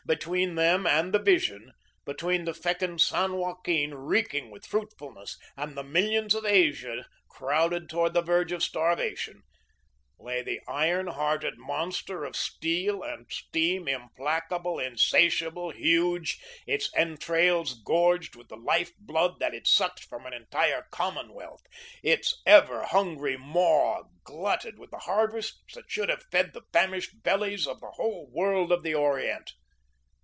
Between them and the vision, between the fecund San Joaquin, reeking with fruitfulness, and the millions of Asia crowding toward the verge of starvation, lay the iron hearted monster of steel and steam, implacable, insatiable, huge its entrails gorged with the life blood that it sucked from an entire commonwealth, its ever hungry maw glutted with the harvests that should have fed the famished bellies of the whole world of the Orient.